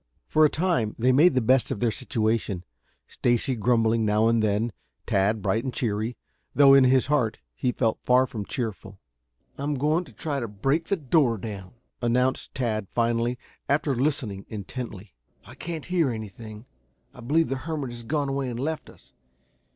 For a time they made the best of their situation, Stacy grumbling now and then, Tad bright and cheery, though in his heart he felt far from cheerful. "I'm going to try to break the door down," announced Tad finally, after listening intently. "I can't hear anything. I believe the hermit has gone away and left us.